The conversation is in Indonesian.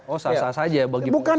oh sah sah saja bagi pengadilan